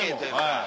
はい。